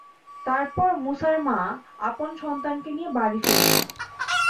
তারপর মূসার মা আপন সন্তানকে নিয়ে বাড়ি ফিরলেন।